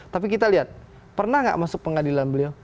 tapi kita lihat pernah nggak masuk pengadilan beliau